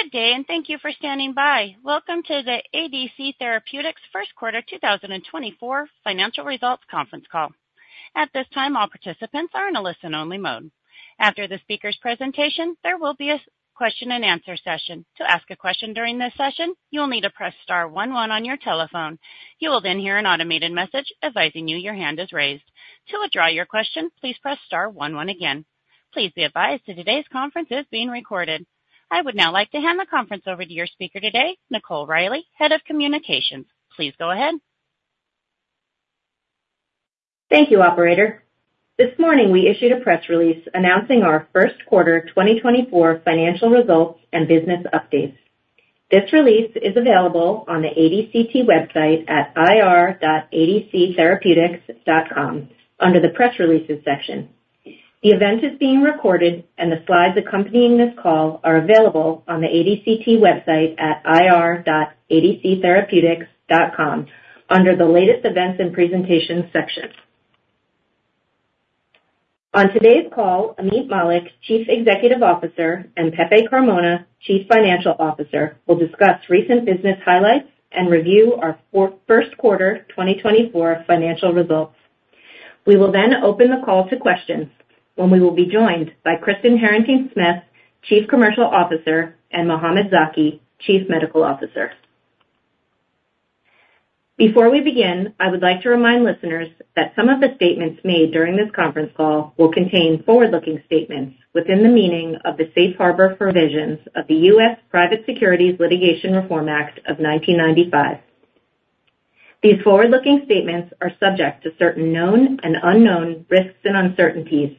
Good day, and thank you for standing by. Welcome to the ADC Therapeutics First Quarter 2024 Financial Results Conference Call. At this time, all participants are in a listen-only mode. After the speaker's presentation, there will be a question-and-answer session. To ask a question during this session, you will need to press star one one on your telephone. You will then hear an automated message advising you your hand is raised. To withdraw your question, please press star one one again. Please be advised that today's conference is being recorded. I would now like to hand the conference over to your speaker today, Nicole Riley, Head of Communications. Please go ahead. Thank you, operator. This morning, we issued a press release announcing our first quarter 2024 financial results and business updates. This release is available on the ADCT website at ir.adctherapeutics.com under the Press Releases section. The event is being recorded, and the slides accompanying this call are available on the ADCT website at ir.adctherapeutics.com under the Latest Events and Presentations section. On today's call, Ameet Mallik, Chief Executive Officer, and Pepe Carmona, Chief Financial Officer, will discuss recent business highlights and review our first quarter 2024 financial results. We will then open the call to questions when we will be joined by Kristen Harrington-Smith, Chief Commercial Officer, and Mohamed Zaki, Chief Medical Officer. Before we begin, I would like to remind listeners that some of the statements made during this conference call will contain forward-looking statements within the meaning of the Safe Harbor provisions of the U.S. Private Securities Litigation Reform Act of 1995. These forward-looking statements are subject to certain known and unknown risks and uncertainties,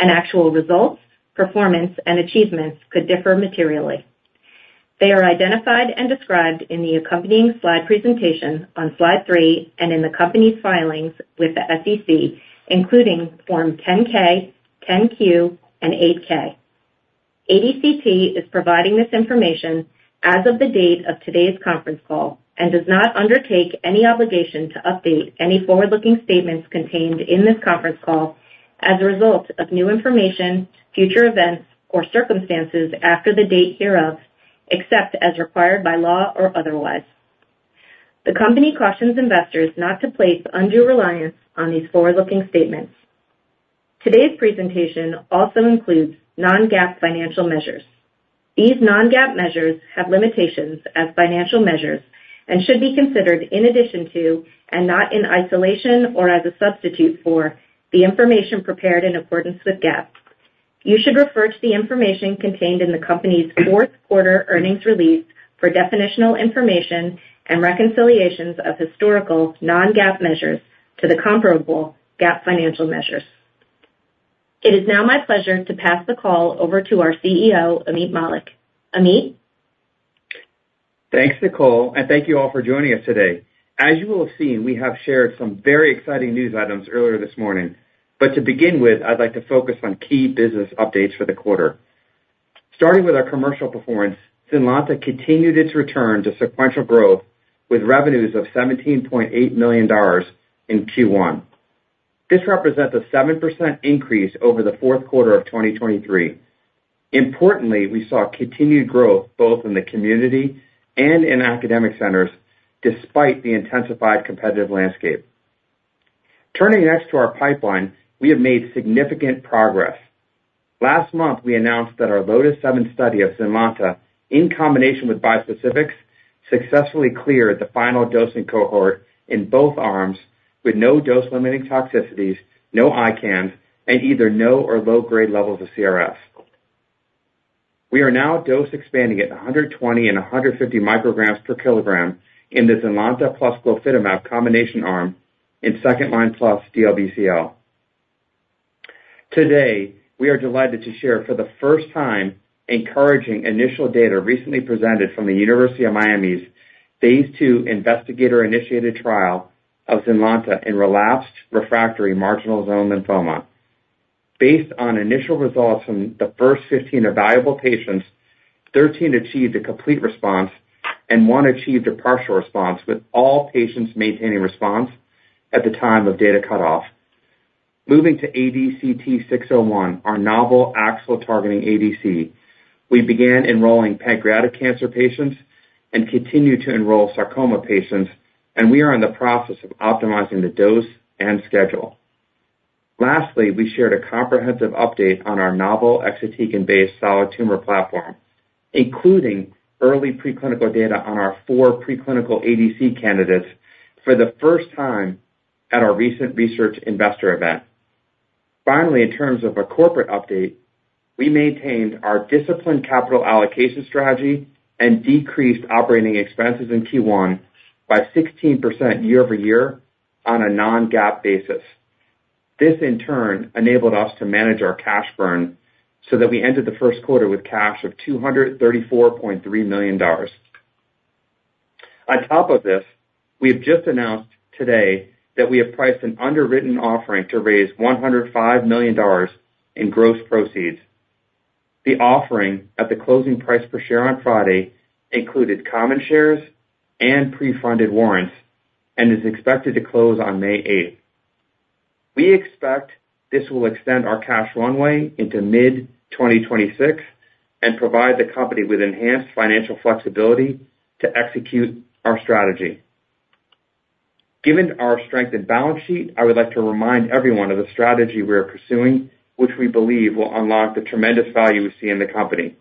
and actual results, performance, and achievements could differ materially. They are identified and described in the accompanying slide presentation on slide 3 and in the company's filings with the SEC, including Form 10-K, 10-Q, and 8-K. ADCT is providing this information as of the date of today's conference call and does not undertake any obligation to update any forward-looking statements contained in this conference call as a result of new information, future events, or circumstances after the date hereof, except as required by law or otherwise. The company cautions investors not to place undue reliance on these forward-looking statements. Today's presentation also includes non-GAAP financial measures. These non-GAAP measures have limitations as financial measures and should be considered in addition to, and not in isolation or as a substitute for, the information prepared in accordance with GAAP. You should refer to the information contained in the company's fourth-quarter earnings release for definitional information and reconciliations of historical non-GAAP measures to the comparable GAAP financial measures. It is now my pleasure to pass the call over to our CEO, Ameet Mallik. Ameet? Thanks, Nicole, and thank you all for joining us today. As you will have seen, we have shared some very exciting news items earlier this morning. But to begin with, I'd like to focus on key business updates for the quarter. Starting with our commercial performance, Zynlonta continued its return to sequential growth with revenues of $17.8 million in Q1. This represents a 7% increase over the fourth quarter of 2023. Importantly, we saw continued growth both in the community and in academic centers, despite the intensified competitive landscape. Turning next to our pipeline, we have made significant progress. Last month, we announced that our LOTIS-7 study of Zynlonta, in combination with bispecifics, successfully cleared the final dosing cohort in both arms with no dose-limiting toxicities, no ICANS, and either no or low-grade levels of CRS. We are now dose expanding at 120 and 150 micrograms per kilogram in the ZYNLONTA plus glofitamab combination arm in second-line+ DLBCL. Today, we are delighted to share, for the first time, encouraging initial data recently presented from the University of Miami's phase 2 investigator-initiated trial of ZYNLONTA in relapsed refractory marginal zone lymphoma. Based on initial results from the first 15 evaluable patients, 13 achieved a complete response, and 1 achieved a partial response, with all patients maintaining response at the time of data cutoff. Moving to ADCT-601, our novel AXL-targeting ADC, we began enrolling pancreatic cancer patients and continued to enroll sarcoma patients, and we are in the process of optimizing the dose and schedule. Lastly, we shared a comprehensive update on our novel Exatecan-based solid tumor platform, including early preclinical data on our four preclinical ADC candidates for the first time at our recent research investor event. Finally, in terms of a corporate update, we maintained our disciplined capital allocation strategy and decreased operating expenses in Q1 by 16% year-over-year on a Non-GAAP basis. This, in turn, enabled us to manage our cash burn so that we ended the first quarter with cash of $234.3 million. On top of this, we have just announced today that we have priced an underwritten offering to raise $105 million in gross proceeds. The offering, at the closing price per share on Friday, included common shares and pre-funded warrants and is expected to close on May eighth.... We expect this will extend our cash runway into mid-2026 and provide the company with enhanced financial flexibility to execute our strategy. Given our strengthened balance sheet, I would like to remind everyone of the strategy we are pursuing, which we believe will unlock the tremendous value we see in the company.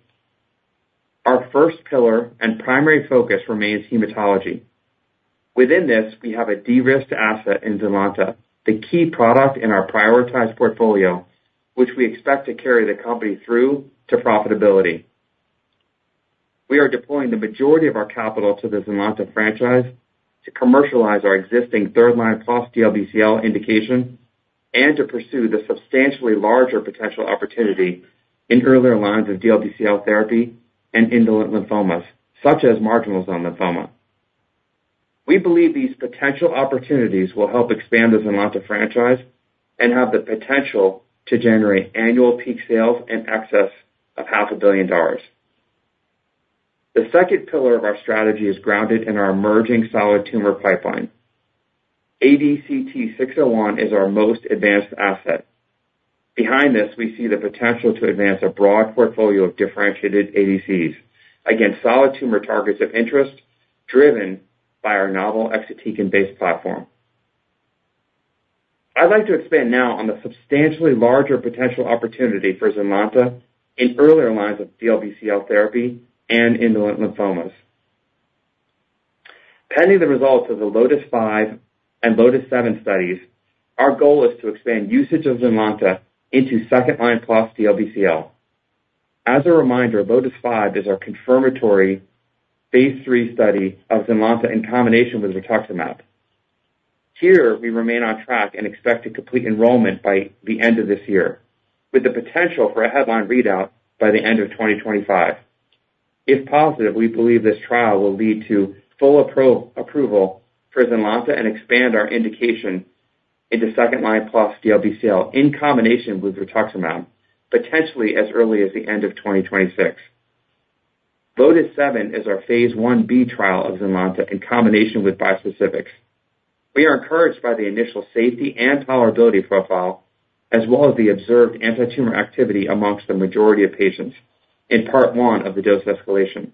Our first pillar and primary focus remains hematology. Within this, we have a de-risked asset in Zynlonta, the key product in our prioritized portfolio, which we expect to carry the company through to profitability. We are deploying the majority of our capital to the Zynlonta franchise to commercialize our existing third-line plus DLBCL indication and to pursue the substantially larger potential opportunity in earlier lines of DLBCL therapy and indolent lymphomas, such as marginal zone lymphoma. We believe these potential opportunities will help expand the Zynlonta franchise and have the potential to generate annual peak sales in excess of $500 million. The second pillar of our strategy is grounded in our emerging solid tumor pipeline. ADCT-601 is our most advanced asset. Behind this, we see the potential to advance a broad portfolio of differentiated ADCs against solid tumor targets of interest, driven by our novel Exatecan-based platform. I'd like to expand now on the substantially larger potential opportunity for Zynlonta in earlier lines of DLBCL therapy and indolent lymphomas. Pending the results of the LOTIS-5 and LOTIS-7 studies, our goal is to expand usage of Zynlonta into second-line plus DLBCL. As a reminder, LOTIS-5 is our confirmatory phase III study of Zynlonta in combination with rituximab. Here, we remain on track and expect to complete enrollment by the end of this year, with the potential for a headline readout by the end of 2025. If positive, we believe this trial will lead to full approval for Zynlonta and expand our indication into second-line plus DLBCL in combination with rituximab, potentially as early as the end of 2026. LOTIS-7 is our phase 1b trial of Zynlonta in combination with bispecifics. We are encouraged by the initial safety and tolerability profile, as well as the observed antitumor activity among the majority of patients in Part 1 of the dose escalation.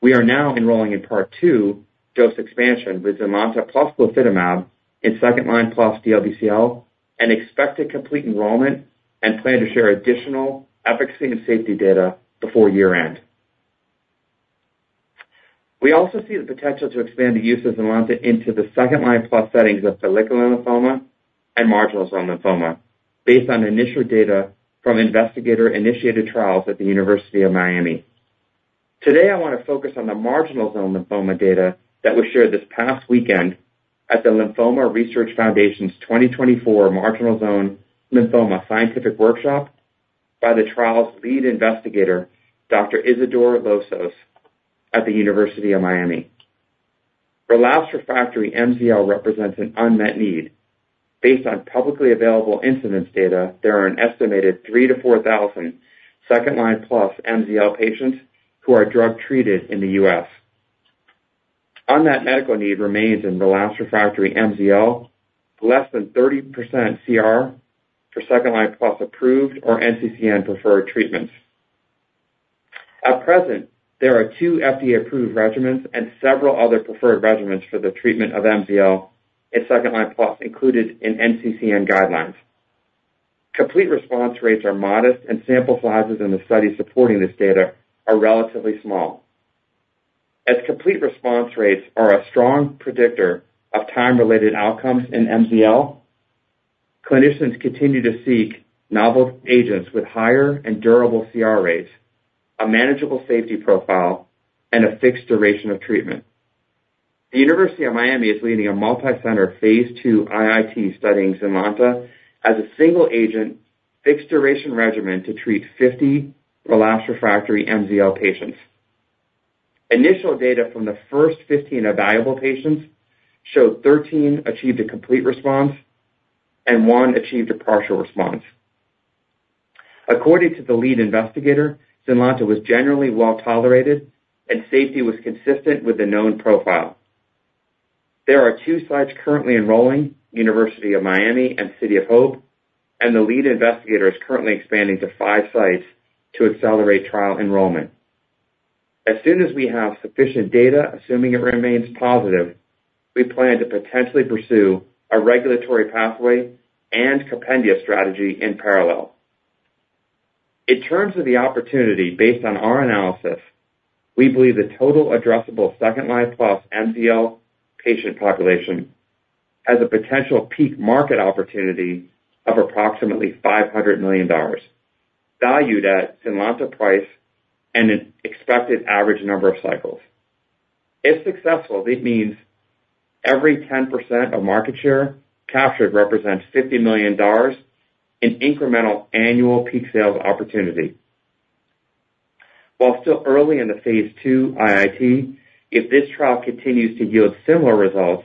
We are now enrolling in Part 2 dose expansion with Zynlonta plus glofitamab in second-line plus DLBCL, and expect to complete enrollment and plan to share additional efficacy and safety data before year-end. We also see the potential to expand the use of Zynlonta into the second-line plus settings of follicular lymphoma and marginal zone lymphoma, based on initial data from investigator-initiated trials at the University of Miami. Today, I want to focus on the marginal zone lymphoma data that was shared this past weekend at the Lymphoma Research Foundation's 2024 Marginal Zone Lymphoma Scientific Workshop by the trial's lead investigator, Dr. Izidore Lossos at the University of Miami. Relapsed refractory MZL represents an unmet need. Based on publicly available incidence data, there are an estimated 3,000-4,000 second-line plus MZL patients who are drug-treated in the U.S. Unmet medical need remains in relapsed refractory MZL, less than 30% CR for second-line plus approved or NCCN preferred treatments. At present, there are two FDA-approved regimens and several other preferred regimens for the treatment of MZL in second-line plus included in NCCN guidelines. Complete response rates are modest, and sample sizes in the study supporting this data are relatively small. As complete response rates are a strong predictor of time-related outcomes in MZL, clinicians continue to seek novel agents with higher and durable CR rates, a manageable safety profile, and a fixed duration of treatment. The University of Miami is leading a multicenter phase II IIT study in Zynlonta as a single-agent, fixed-duration regimen to treat 50 relapsed refractory MZL patients. Initial data from the first 15 evaluable patients showed 13 achieved a complete response and 1 achieved a partial response. According to the lead investigator, Zynlonta was generally well-tolerated and safety was consistent with the known profile. There are 2 sites currently enrolling, University of Miami and City of Hope, and the lead investigator is currently expanding to 5 sites to accelerate trial enrollment. As soon as we have sufficient data, assuming it remains positive, we plan to potentially pursue a regulatory pathway and compendia strategy in parallel. In terms of the opportunity, based on our analysis, we believe the total addressable second-line plus MZL patient population has a potential peak market opportunity of approximately $500 million, valued at Zynlonta price and an expected average number of cycles. If successful, this means every 10% of market share captured represents $50 million in incremental annual peak sales opportunity. While still early in the phase 2 IIT, if this trial continues to yield similar results,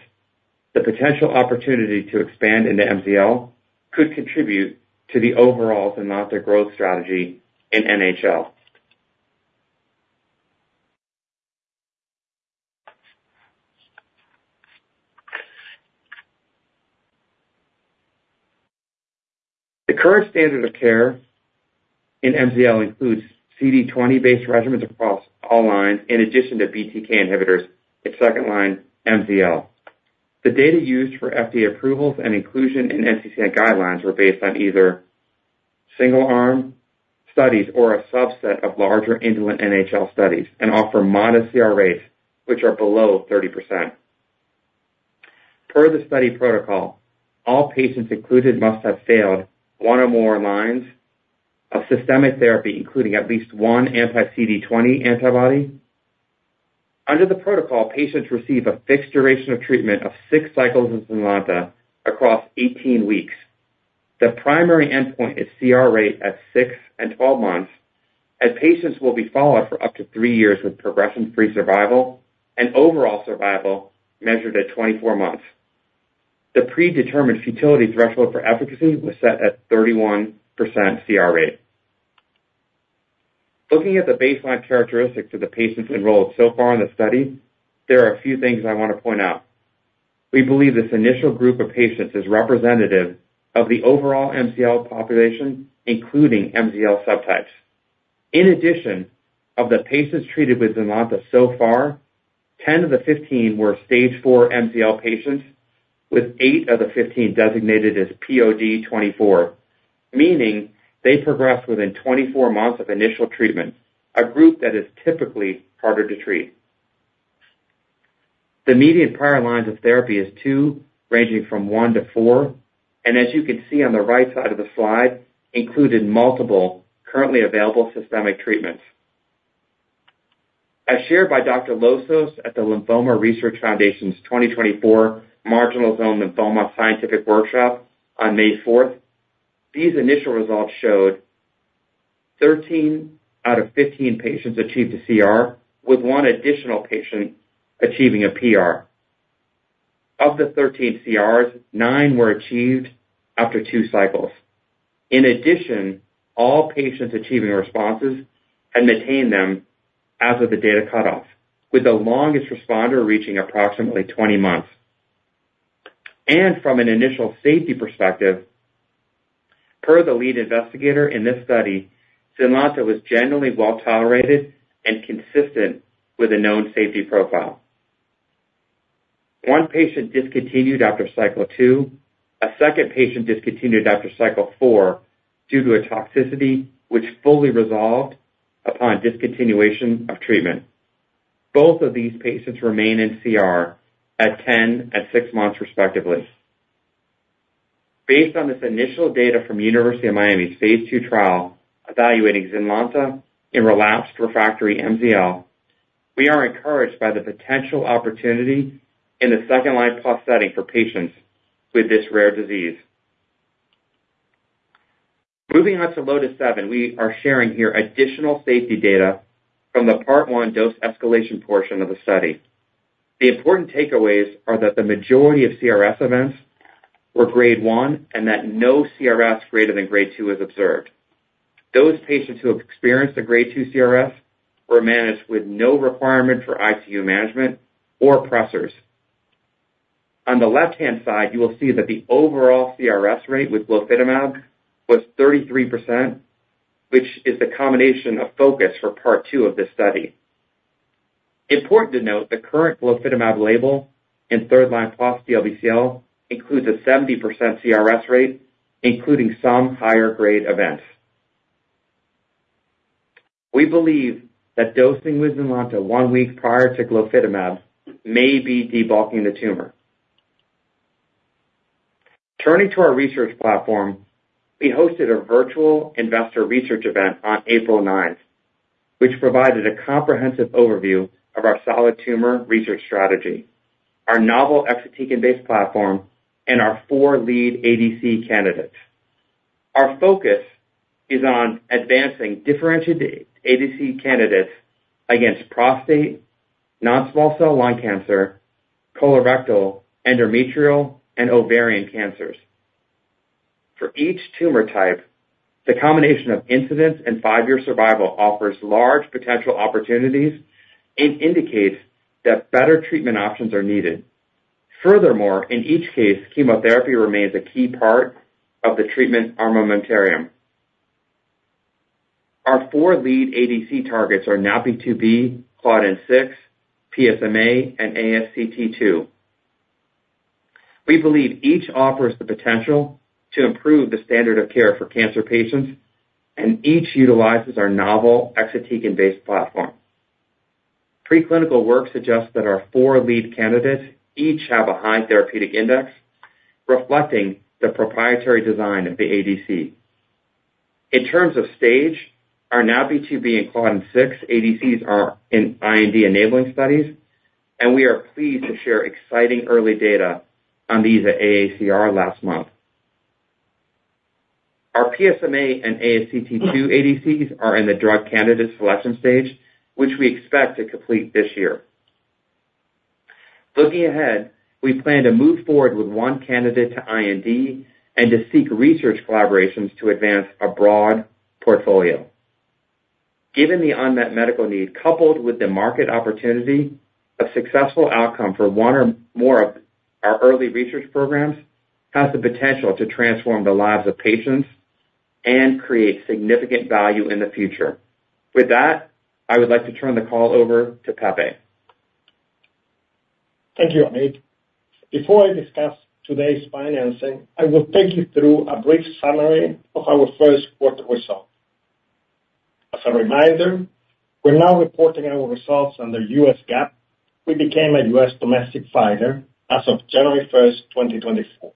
the potential opportunity to expand into MZL could contribute to the overall Zynlonta growth strategy in NHL.... The current standard of care in MCL includes CD20-based regimens across all lines, in addition to BTK inhibitors in second-line MCL. The data used for FDA approvals and inclusion in NCCN guidelines were based on either single-arm studies or a subset of larger indolent NHL studies, and offer modest CR rates, which are below 30%. Per the study protocol, all patients included must have failed one or more lines of systemic therapy, including at least one anti-CD20 antibody. Under the protocol, patients receive a fixed duration of treatment of 6 cycles of Zynlonta across 18 weeks. The primary endpoint is CR rate at 6 and 12 months, as patients will be followed for up to 3 years with progression-free survival, and overall survival measured at 24 months. The predetermined futility threshold for efficacy was set at 31% CR rate. Looking at the baseline characteristics of the patients enrolled so far in the study, there are a few things I want to point out. We believe this initial group of patients is representative of the overall MCL population, including MCL subtypes. In addition, of the patients treated with Zynlonta so far, 10 of the 15 were stage four MCL patients, with 8 of the 15 designated as POD24, meaning they progressed within 24 months of initial treatment, a group that is typically harder to treat. The median prior lines of therapy is 2, ranging from 1 to 4, and as you can see on the right side of the slide, included multiple currently available systemic treatments. As shared by Dr. Lossos at the Lymphoma Research Foundation's 2024 Marginal Zone Lymphoma Scientific Workshop on May 4th, these initial results showed 13 out of 15 patients achieved a CR, with one additional patient achieving a PR. Of the 13 CRs, nine were achieved after 2 cycles. In addition, all patients achieving responses had maintained them as of the data cutoff, with the longest responder reaching approximately 20 months. From an initial safety perspective, per the lead investigator in this study, Zynlonta was generally well-tolerated and consistent with a known safety profile. One patient discontinued after cycle 2. A second patient discontinued after cycle 4 due to a toxicity which fully resolved upon discontinuation of treatment. Both of these patients remain in CR at 10 and 6 months, respectively. Based on this initial data from University of Miami's phase 2 trial, evaluating Zynlonta in relapsed refractory MCL, we are encouraged by the potential opportunity in the second-line plus setting for patients with this rare disease. Moving on to LOTIS-7, we are sharing here additional safety data from the part 1 dose escalation portion of the study. The important takeaways are that the majority of CRS events were grade 1, and that no CRS greater than grade 2 was observed. Those patients who have experienced a grade 2 CRS were managed with no requirement for ICU management or pressors. On the left-hand side, you will see that the overall CRS rate with glofitamab was 33%, which is the combination of focus for part 2 of this study. Important to note, the current glofitamab label in third-line plus DLBCL includes a 70% CRS rate, including some higher grade events. We believe that dosing with Zynlonta one week prior to glofitamab may be debulking the tumor. Turning to our research platform, we hosted a virtual investor research event on April ninth, which provided a comprehensive overview of our solid tumor research strategy, our novel exatecan-based platform, and our four lead ADC candidates. Our focus is on advancing differentiated ADC candidates against prostate, non-small cell lung cancer, colorectal, endometrial, and ovarian cancers. For each tumor type, the combination of incidence and five-year survival offers large potential opportunities and indicates that better treatment options are needed. Furthermore, in each case, chemotherapy remains a key part of the treatment armamentarium. Our four lead ADC targets are NaPi2b, Claudin-6, PSMA, and ASCT2. We believe each offers the potential to improve the standard of care for cancer patients, and each utilizes our novel exatecan-based platform. Preclinical work suggests that our four lead candidates each have a high therapeutic index, reflecting the proprietary design of the ADC. In terms of stage, our NaPi2b and Claudin-6 ADCs are in IND-enabling studies, and we are pleased to share exciting early data on these at AACR last month. Our PSMA and ASCT2 ADCs are in the drug candidate selection stage, which we expect to complete this year. Looking ahead, we plan to move forward with one candidate to IND and to seek research collaborations to advance our broad portfolio…. Given the unmet medical need, coupled with the market opportunity, a successful outcome for one or more of our early research programs has the potential to transform the lives of patients and create significant value in the future. With that, I would like to turn the call over to Pepe. Thank you, Ameet. Before I discuss today's financing, I will take you through a brief summary of our first quarter results. As a reminder, we're now reporting our results under U.S. GAAP. We became a U.S. domestic filer as of January 1, 2024.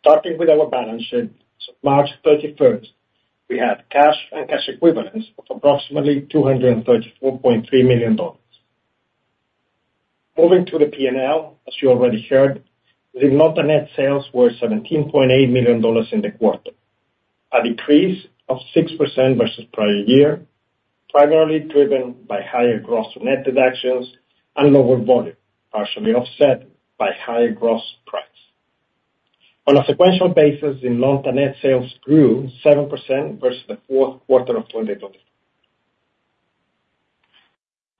Starting with our balance sheet, as of March 31, we had cash and cash equivalents of approximately $234.3 million. Moving to the P&L, as you already heard, the Zynlonta net sales were $17.8 million in the quarter, a decrease of 6% versus prior year, primarily driven by higher gross net deductions and lower volume, partially offset by higher gross price. On a sequential basis, the Zynlonta net sales grew 7% versus the fourth quarter of 2024.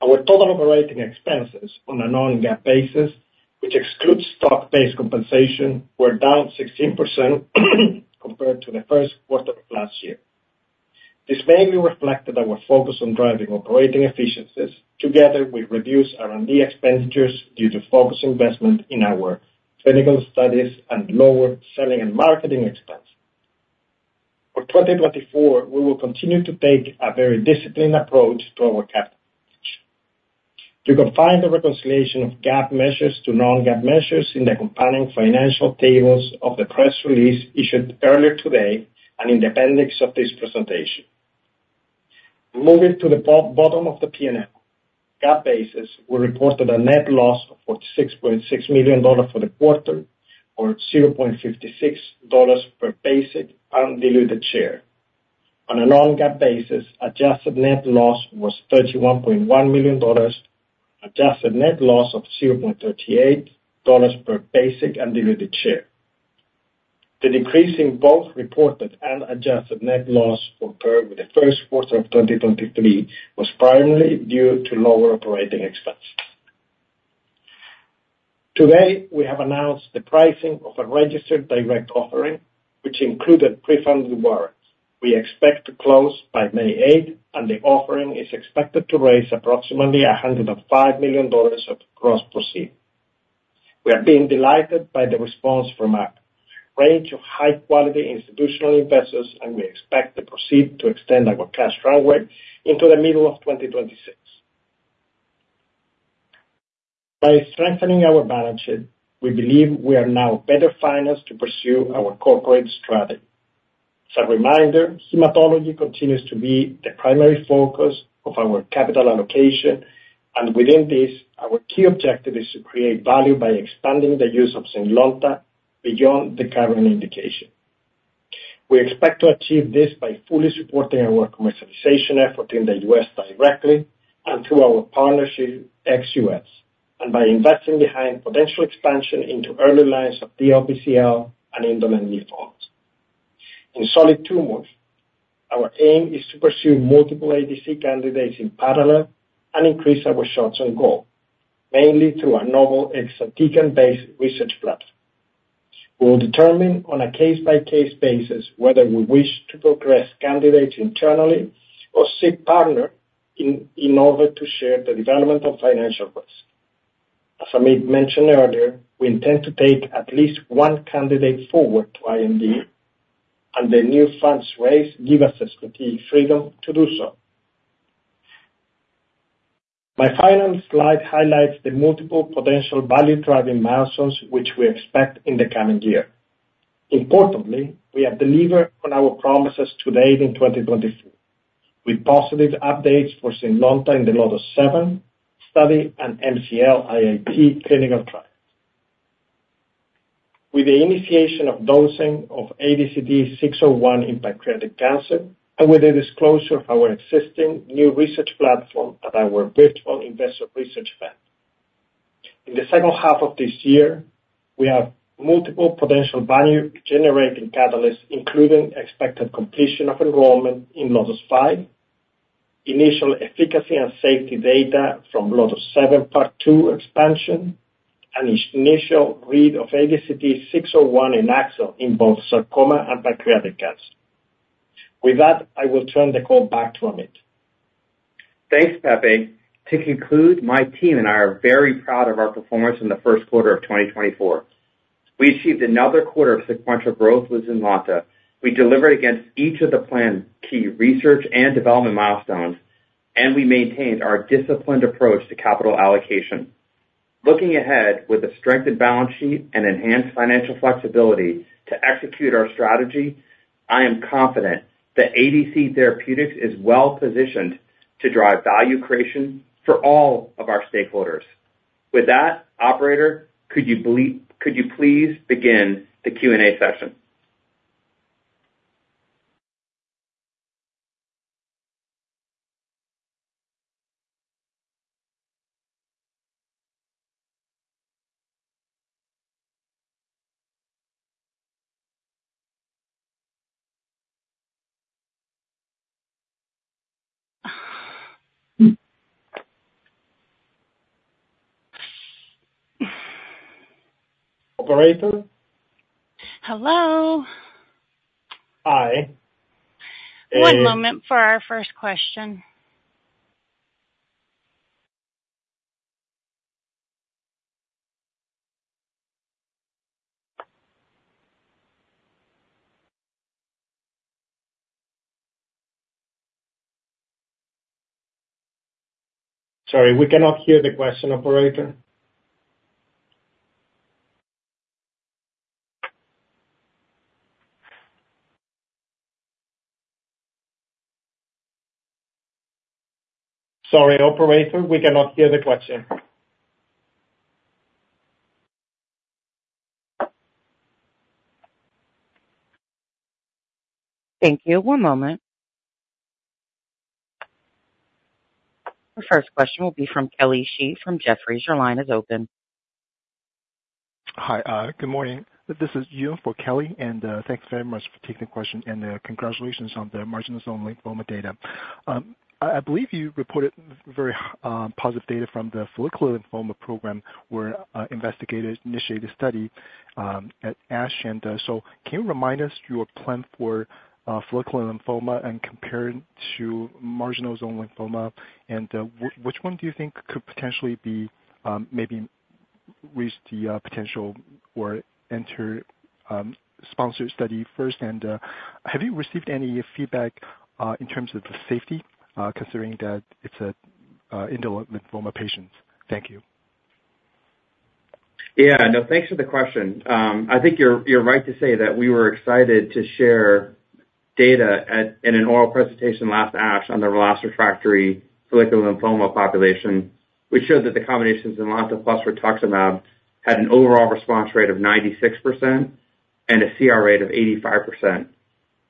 Our total operating expenses on a non-GAAP basis, which excludes stock-based compensation, were down 16% compared to the first quarter of last year. This mainly reflected our focus on driving operating efficiencies, together with reduced R&D expenditures due to focused investment in our clinical studies and lower selling and marketing expenses. For 2024, we will continue to take a very disciplined approach to our capital. You can find the reconciliation of GAAP measures to non-GAAP measures in the companion financial tables of the press release issued earlier today and in the appendix of this presentation. Moving to the bottom of the P&L. GAAP basis, we reported a net loss of $46.6 million for the quarter, or $0.56 per basic undiluted share. On a non-GAAP basis, adjusted net loss was $31.1 million, adjusted net loss of $0.38 per basic undiluted share. The decrease in both reported and adjusted net loss compared with the first quarter of 2023 was primarily due to lower operating expenses. Today, we have announced the pricing of a registered direct offering, which included pre-funded warrants. We expect to close by May 8th, and the offering is expected to raise approximately $105 million of gross proceeds. We have been delighted by the response from a range of high-quality institutional investors, and we expect the proceeds to extend our cash runway into the middle of 2026. By strengthening our balance sheet, we believe we are now better financed to pursue our corporate strategy. As a reminder, hematology continues to be the primary focus of our capital allocation, and within this, our key objective is to create value by expanding the use of Zynlonta beyond the current indication. We expect to achieve this by fully supporting our commercialization effort in the U.S. directly and through our partnership ex-U.S., and by investing behind potential expansion into early lines of DLBCL and indolent NHLs. In solid tumors, our aim is to pursue multiple ADC candidates in parallel and increase our shots on goal, mainly through our novel Exatecan-based research platform. We will determine on a case-by-case basis whether we wish to progress candidates internally or seek partnering in order to share the development and financial risk. As Ameet mentioned earlier, we intend to take at least one candidate forward to IND, and the new funds raised give us the strategic freedom to do so. My final slide highlights the multiple potential value-driving milestones which we expect in the coming year. Importantly, we have delivered on our promises to date in 2024, with positive updates for Zynlonta in the LOTIS-7 study and MZL-IIT clinical trial. With the initiation of dosing of ADCT-601 in pancreatic cancer, and with the disclosure of our existing new research platform at our Virtual Investor Research event. In the second half of this year, we have multiple potential value-generating catalysts, including expected completion of enrollment in LOTIS-5, initial efficacy and safety data from LOTIS-7 Part 2 expansion, and initial read of ADCT-601 in AXL in both sarcoma and pancreatic cancer. With that, I will turn the call back to Ameet. Thanks, Pepe. To conclude, my team and I are very proud of our performance in the first quarter of 2024. We achieved another quarter of sequential growth with Zynlonta. We delivered against each of the planned key research and development milestones, and we maintained our disciplined approach to capital allocation. Looking ahead, with a strengthened balance sheet and enhanced financial flexibility to execute our strategy, I am confident that ADC Therapeutics is well-positioned to drive value creation for all of our stakeholders. With that, operator, could you please begin the Q&A session? ... Operator? Hello? Hi. A- One moment for our first question. Sorry, we cannot hear the question, operator. Sorry, operator, we cannot hear the question. Thank you. One moment. The first question will be from Kelly Shi from Jefferies. Your line is open. Hi, good morning. This is Yoon for Kelly, and thanks very much for taking the question, and congratulations on the marginal zone lymphoma data. I believe you reported very positive data from the follicular lymphoma program, where investigator-initiated a study at ASH. And so can you remind us your plan for follicular lymphoma and compare it to marginal zone lymphoma? And which one do you think could potentially be maybe reach the potential or enter sponsor study first? And have you received any feedback in terms of the safety considering that it's a indolent lymphoma patients? Thank you. Yeah, no, thanks for the question. I think you're right to say that we were excited to share data in an oral presentation last ASH on the relapsed refractory follicular lymphoma population, which showed that the combinations in Zynlonta plus rituximab had an overall response rate of 96% and a CR rate of 85%,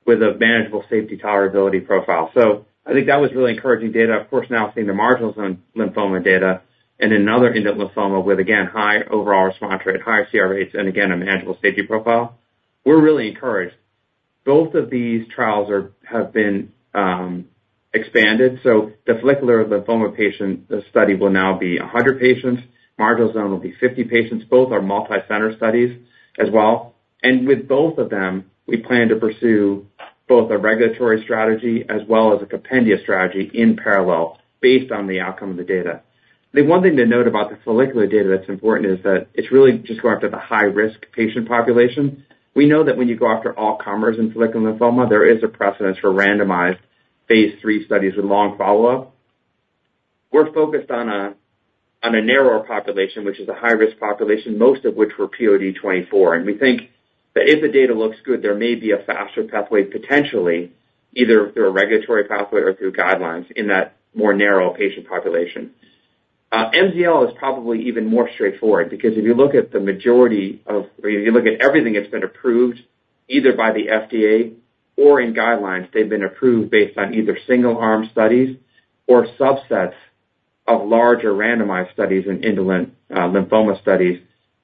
with a manageable safety tolerability profile. So I think that was really encouraging data. Of course, now seeing the marginal zone lymphoma data and another indolent lymphoma with, again, high overall response rate, high CR rates, and again, a manageable safety profile, we're really encouraged. Both of these trials have been expanded, so the follicular lymphoma patient, the study will now be 100 patients. Marginal zone will be 50 patients. Both are multi-center studies as well. With both of them, we plan to pursue both a regulatory strategy as well as a compendia strategy in parallel, based on the outcome of the data. I think one thing to note about the follicular data that's important is that it's really just going after the high-risk patient population. We know that when you go after all comers in follicular lymphoma, there is a precedent for randomized phase III studies with long follow-up. We're focused on a narrower population, which is a high-risk population, most of which were POD 24. We think that if the data looks good, there may be a faster pathway, potentially, either through a regulatory pathway or through guidelines in that more narrow patient population. MCL is probably even more straightforward, because if you look at everything that's been approved, either by the FDA or in guidelines, they've been approved based on either single-arm studies or subsets of larger randomized studies in indolent lymphoma studies,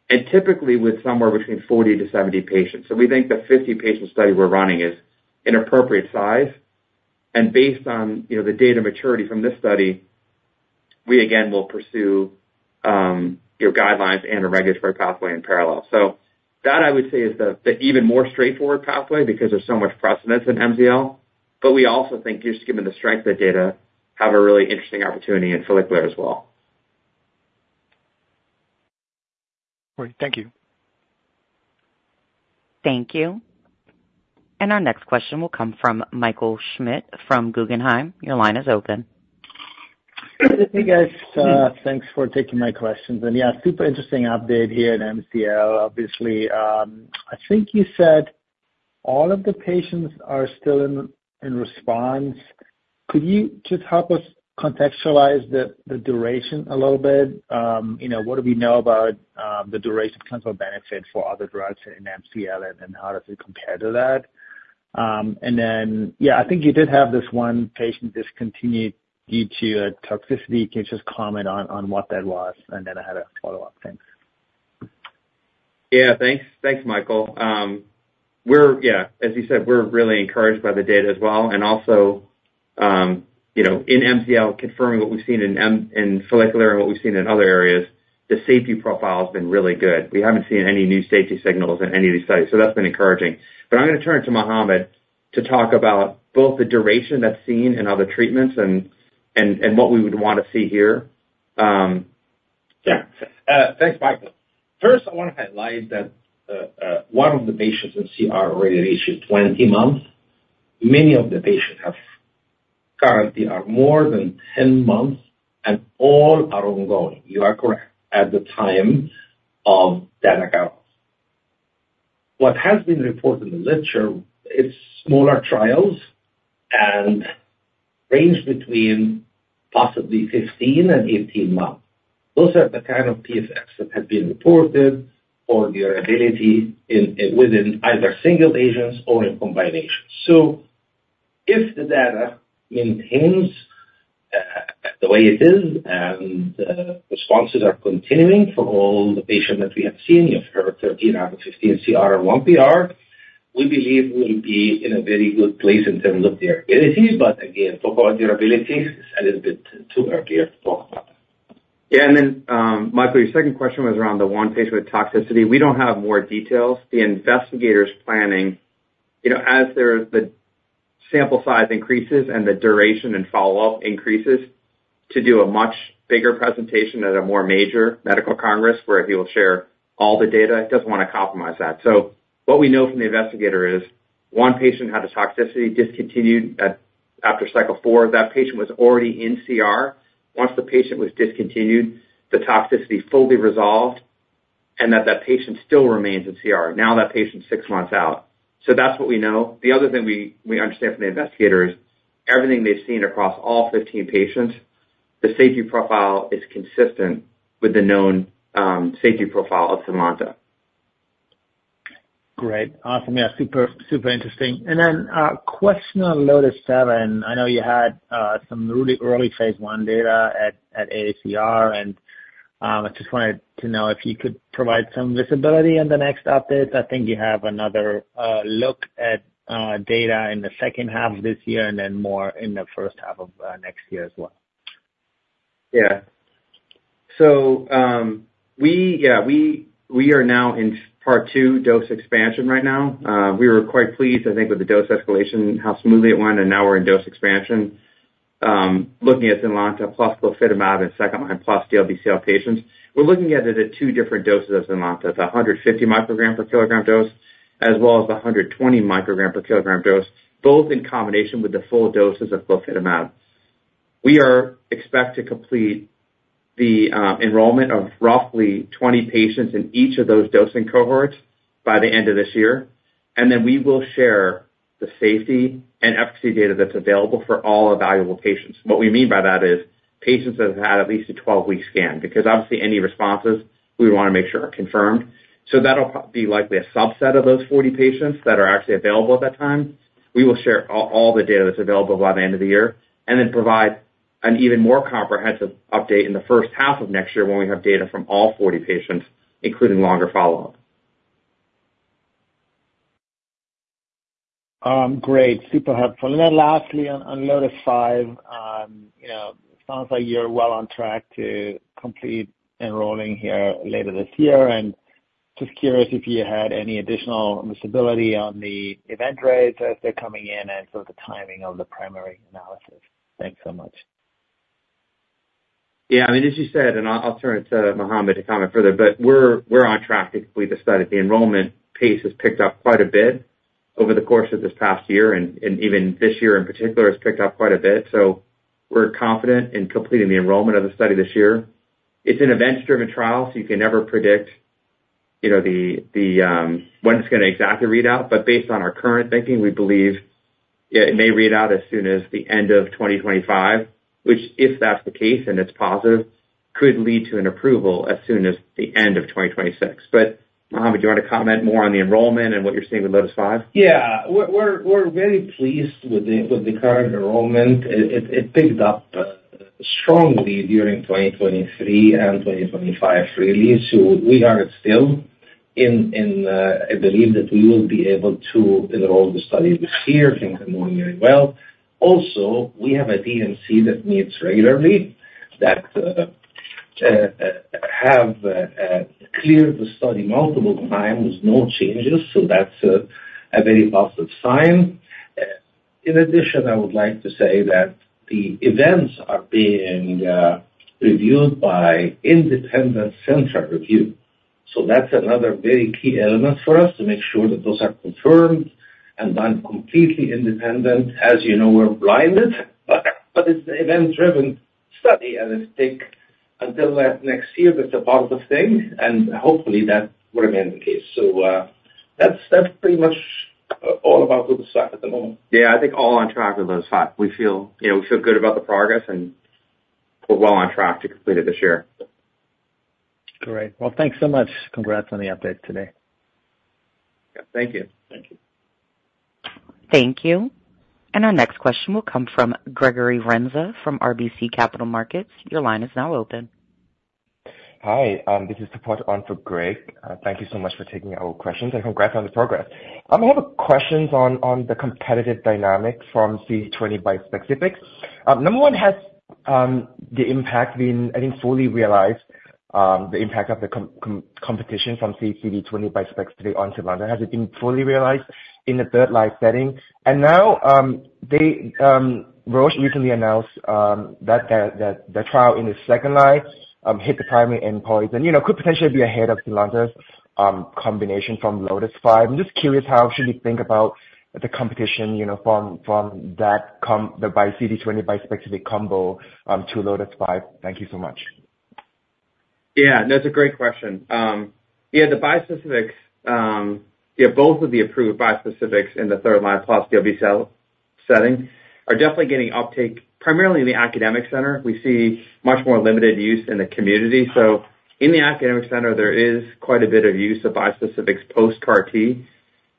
and typically with somewhere between 40-70 patients. So we think the 50-patient study we're running is an appropriate size, and based on, you know, the data maturity from this study, we again will pursue, you know, guidelines and a regulatory pathway in parallel. So that, I would say, is the even more straightforward pathway because there's so much precedence in MCL, but we also think, just given the strength of the data, have a really interesting opportunity in follicular as well. Great. Thank you. Thank you. And our next question will come from Michael Schmidt from Guggenheim. Your line is open. Hey, guys, thanks for taking my questions. And yeah, super interesting update here at MCL, obviously. I think you said all of the patients are still in response. Could you just help us contextualize the duration a little bit? You know, what do we know about the duration of clinical benefit for other drugs in MCL, and then how does it compare to that? And then, yeah, I think you did have this one patient discontinued due to toxicity. Can you just comment on what that was? And then I had a follow-up. Thanks. Yeah, thanks. Thanks, Michael. Yeah, as you said, we're really encouraged by the data as well, and also, you know, in MCL, confirming what we've seen in follicular and what we've seen in other areas, the safety profile has been really good. We haven't seen any new safety signals in any of these studies, so that's been encouraging. But I'm gonna turn it to Mohamed to talk about both the duration that's seen in other treatments and what we would want to see here. Yeah. Thanks, Michael. First, I wanna highlight that, one of the patients in CR already reached 20 months. Many of the patients have currently are more than 10 months, and all are ongoing, you are correct, at the time of data cut-off. What has been reported in the literature, it's smaller trials and range between possibly 15 and 18 months. Those are the kind of PFS that have been reported or their ability in, within either single agents or in combination. So if the data maintains the way it is, and, responses are continuing for all the patients that we have seen. You have 13 out of 15 CR and one PR. We believe we'll be in a very good place in terms of the durability, but again, talk about durability is a little bit too early to talk about. Yeah, and then, Michael, your second question was around the one patient with toxicity. We don't have more details. The investigator's planning, you know, as the sample size increases and the duration and follow-up increases, to do a much bigger presentation at a more major medical congress, where he will share all the data. He doesn't want to compromise that. So what we know from the investigator is, one patient had a toxicity, discontinued after cycle four. That patient was already in CR. Once the patient was discontinued, the toxicity fully resolved, and that patient still remains in CR. Now that patient's six months out. So that's what we know. The other thing we understand from the investigator is, everything they've seen across all 15 patients, the safety profile is consistent with the known safety profile of Zynlonta. Great. Awesome. Yeah, super, super interesting. And then, question on LOTIS-7. I know you had some really early phase 1 data at AACR, and I just wanted to know if you could provide some visibility in the next update. I think you have another look at data in the second half of this year, and then more in the first half of next year as well. Yeah. So, we are now in Part 2 dose expansion right now. We were quite pleased, I think, with the dose escalation, how smoothly it went, and now we're in dose expansion. Looking at Zynlonta plus glofitamab in second-line plus DLBCL patients. We're looking at it at two different doses of Zynlonta, the 150 microgram per kilogram dose, as well as the 120 microgram per kilogram dose, both in combination with the full doses of glofitamab. We expect to complete the enrollment of roughly 20 patients in each of those dosing cohorts by the end of this year, and then we will share the safety and efficacy data that's available for all evaluable patients. What we mean by that is, patients that have had at least a 12-week scan, because obviously any responses we wanna make sure are confirmed. So that'll probably be likely a subset of those 40 patients that are actually available at that time. We will share all the data that's available by the end of the year, and then provide an even more comprehensive update in the first half of next year when we have data from all 40 patients, including longer follow-up. Great. Super helpful. And then lastly, on LOTIS-5, you know, sounds like you're well on track to complete enrolling here later this year, and just curious if you had any additional visibility on the event rates as they're coming in and sort of the timing of the primary analysis? Thanks so much. Yeah, I mean, as you said, and I'll turn it to Mohamed to comment further, but we're on track to complete the study. The enrollment pace has picked up quite a bit over the course of this past year, and even this year in particular, has picked up quite a bit, so we're confident in completing the enrollment of the study this year. It's an event-driven trial, so you can never predict, you know, the when it's gonna exactly read out, but based on our current thinking, we believe it may read out as soon as the end of 2025. Which, if that's the case, and it's positive, could lead to an approval as soon as the end of 2026. But, Mohamed, do you want to comment more on the enrollment and what you're seeing with LOTIS-5? Yeah. We're very pleased with the current enrollment. It picked up strongly during 2023 and 2025, really. So we are still in a belief that we will be able to enroll the study this year. Things are going very well. Also, we have a DMC that meets regularly, that have cleared the study multiple times, no changes, so that's a very positive sign. In addition, I would like to say that the events are being reviewed by independent central review. So that's another very key element for us to make sure that those are confirmed and done completely independent. As you know, we're blinded, but it's an event-driven study, and it take until that next year, that's a part of the thing, and hopefully that will remain the case. That's, that's pretty much all about LOTIS-5 at the moment. Yeah, I think all on track with LOTIS-5. We feel, you know, we feel good about the progress, and we're well on track to complete it this year. Great. Well, thanks so much. Congrats on the update today. Thank you. Thank you. Thank you. And our next question will come from Gregory Renza, from RBC Capital Markets. Your line is now open. Hi, this is Greg. Thank you so much for taking our questions, and congrats on the progress. I have a question on the competitive dynamics from CD20 bispecifics. Number one, has the impact been, I think, fully realized, the impact of the competition from CD20 bispecifics on Zynlonta? Has it been fully realized in the third-line setting? And now, they... Roche recently announced that the trial in the second-line hit the primary endpoint, and, you know, could potentially be ahead of Zynlonta's combination from LOTIS-5. I'm just curious, how should we think about the competition, you know, from that, the CD20 bispecific combo to LOTIS-5? Thank you so much. Yeah, that's a great question. Yeah, the bispecifics, yeah, both of the approved bispecifics in the third line plus DLBCL setting are definitely getting uptake, primarily in the academic center. We see much more limited use in the community. So in the academic center, there is quite a bit of use of bispecifics post-CAR T.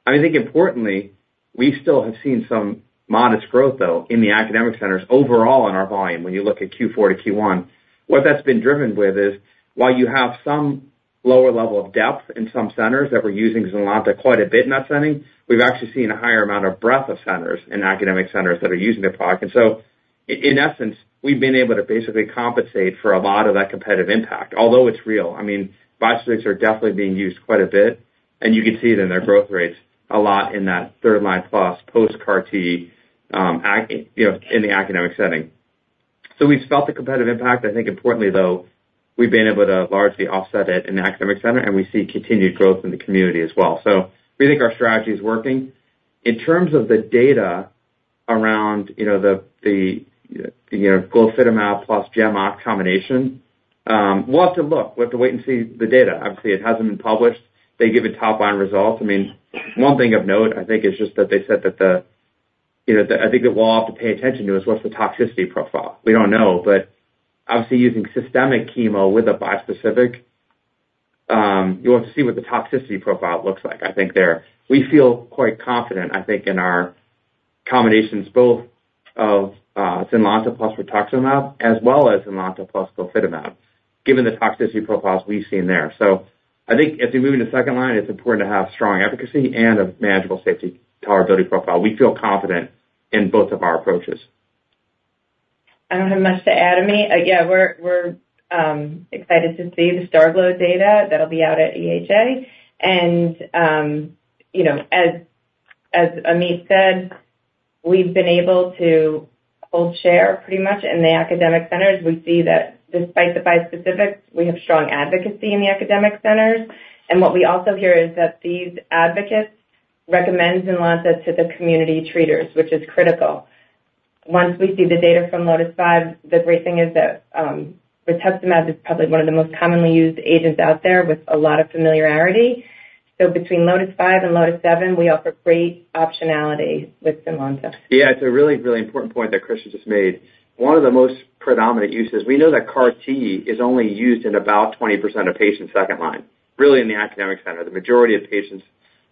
I think importantly, we still have seen some modest growth, though, in the academic centers overall in our volume when you look at Q4 to Q1. What that's been driven with is, while you have some lower level of depth in some centers that we're using Zynlonta quite a bit in that setting, we've actually seen a higher amount of breadth of centers in academic centers that are using the product. And so in essence, we've been able to basically compensate for a lot of that competitive impact, although it's real. I mean, bispecifics are definitely being used quite a bit, and you can see it in their growth rates a lot in that third line plus post-CAR T, you know, in the academic setting. So we've felt the competitive impact. I think importantly, though, we've been able to largely offset it in the academic center, and we see continued growth in the community as well. So we think our strategy is working. In terms of the data around, you know, the, the, you know, glofitamab plus gem combination, we'll have to look. We'll have to wait and see the data. Obviously, it hasn't been published. They give it top-line results. I mean, one thing of note, I think, is just that they said that the, you know, the. I think that we'll have to pay attention to is what's the toxicity profile? We don't know, but obviously using systemic chemo with a bispecific, you'll have to see what the toxicity profile looks like. I think we feel quite confident, I think, in our combinations both of Zynlonta plus rituximab, as well as Zynlonta plus glofitamab, given the toxicity profiles we've seen there. So I think as we move into second line, it's important to have strong efficacy and a manageable safety tolerability profile. We feel confident in both of our approaches. I don't have much to add, Ameet. Yeah, we're excited to see the STARGLO data that'll be out at EHA. And you know, as Ameet said, we've been able to hold share pretty much in the academic centers. We see that despite the bispecifics, we have strong advocacy in the academic centers. And what we also hear is that these advocates recommend Zynlonta to the community treaters, which is critical. Once we see the data from LOTIS-5, the great thing is that rituximab is probably one of the most commonly used agents out there with a lot of familiarity. So between LOTIS-5 and LOTIS-7, we offer great optionality with Zynlonta. Yeah, it's a really, really important point that Kristen just made. One of the most predominant uses, we know that CAR T is only used in about 20% of patients second line, really in the academic center. The majority of patients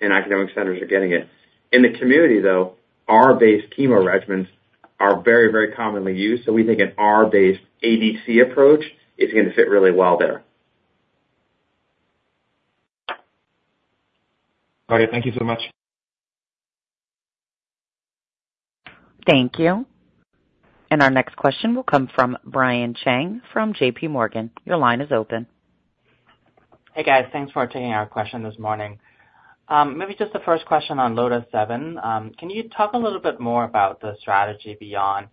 in academic centers are getting it. In the community, though, R-based chemo regimens are very, very commonly used, so we think an R-based ABC approach is going to fit really well there. Okay, thank you so much. Thank you. Our next question will come from Brian Cheng, from JPMorgan. Your line is open. Hey, guys. Thanks for taking our question this morning. Maybe just the first question on LOTIS-7. Can you talk a little bit more about the strategy beyond,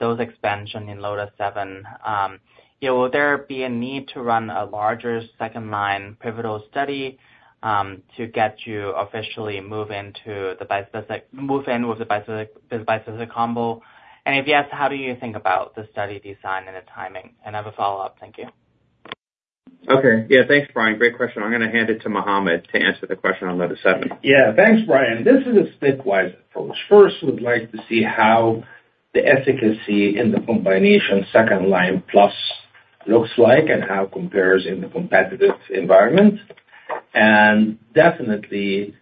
those expansion in LOTIS-7? You know, will there be a need to run a larger second line pivotal study, to get you officially move into the bispecific- move in with the bispecific, the bispecific combo? And if yes, how do you think about the study design and the timing? And I have a follow-up. Thank you. Okay. Yeah, thanks, Brian. Great question. I'm going to hand it to Mohamed to answer the question on LOTIS-7. Yeah. Thanks, Brian. This is a stepwise approach. First, we'd like to see how the efficacy in the combination second line plus looks like and how it compares in the competitive environment. And definitely,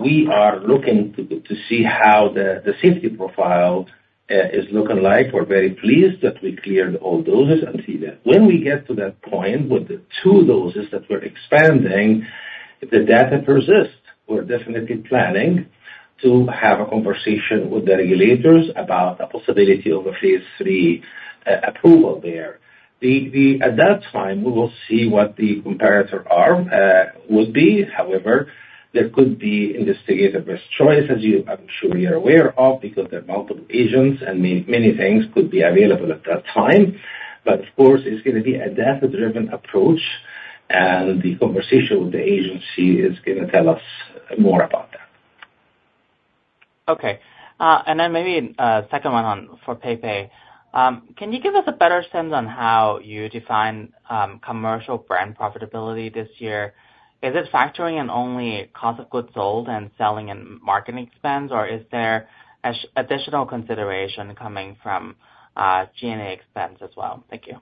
we are looking to see how the safety profile is looking like. We're very pleased that we cleared all doses and see that when we get to that point with the two doses that we're expanding, if the data persists, we're definitely planning to have a conversation with the regulators about the possibility of a phase 3 approval there. The at that time, we will see what the comparator arm would be. However, there could be investigator choice, as you I'm sure you're aware of, because there are multiple agents and many, many things could be available at that time. Of course, it's going to be a data-driven approach, and the conversation with the agency is going to tell us more about that. Okay, and then maybe, second one on for Pepe. Can you give us a better sense on how you define commercial brand profitability this year? Is it factoring in only cost of goods sold and selling and marketing expense, or is there additional consideration coming from G&A expense as well? Thank you.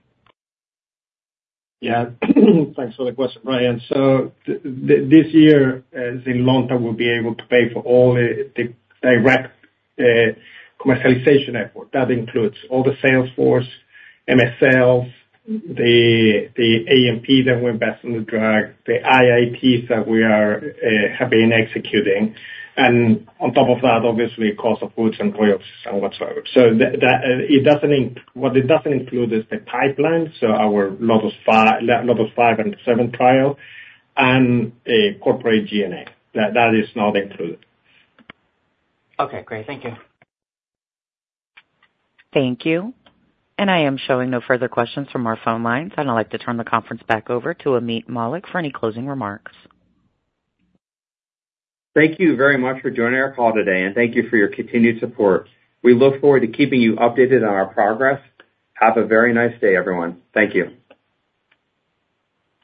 Yeah. Thanks for the question, Brian. So this year, as in long term, we'll be able to pay for all the direct commercialization effort. That includes all the sales force, MSLs, the A&P that we invest in the drug, the IITs that we have been executing, and on top of that, obviously, cost of goods and royalties and whatsoever. So that, it doesn't what it doesn't include is the pipeline, so our LOTIS-5 and LOTIS-7 trial and a corporate G&A. That is not included. Okay, great. Thank you. Thank you. I am showing no further questions from our phone lines, and I'd like to turn the conference back over to Ameet Mallik for any closing remarks. Thank you very much for joining our call today, and thank you for your continued support. We look forward to keeping you updated on our progress. Have a very nice day, everyone. Thank you.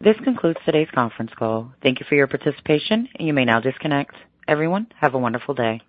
This concludes today's conference call. Thank you for your participation, and you may now disconnect. Everyone, have a wonderful day.